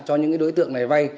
cho những cái đối tượng này vay